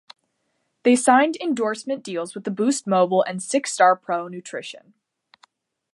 They signed endorsement deals with Boost Mobile and Six Star Pro Nutrition.